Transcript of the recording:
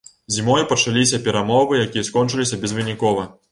Зімой пачаліся перамовы, якія скончыліся безвынікова.